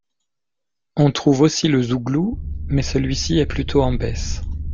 On trouve aussi le zouglou mais celui-ci est plutôt en baisse.